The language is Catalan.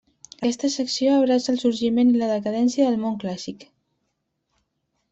Aquesta secció abraça el sorgiment i la decadència del món clàssic.